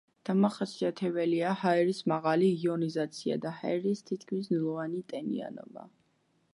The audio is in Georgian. დამახასიათებელია ჰაერის მაღალი იონიზაცია და ჰაერის თითქმის ნულოვანი ტენიანობა.